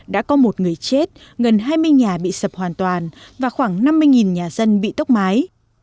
đã có một người chết gần hai mươi nhà bị sập hoàn toàn và khoảng năm mươi nhà dân bị tốc mái